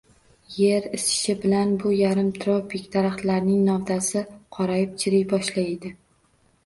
Yer isishi bilan bu yarim tropik daraxtlarning novdasi qorayib, chiriy boshlaydi.